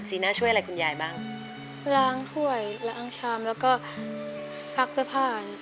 หน้าช่วยอะไรคุณยายบ้างล้างถ้วยล้างชามแล้วก็ซักเสื้อผ้า